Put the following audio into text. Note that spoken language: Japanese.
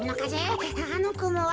あのくもは。